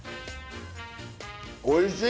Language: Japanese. おいしい。